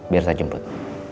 biar saya jemput